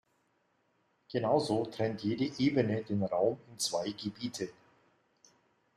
Genauso trennt jede Ebene den Raum in zwei Gebiete.